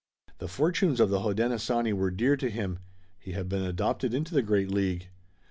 The fortunes of the Hodenosaunee were dear to him. He had been adopted into the great League.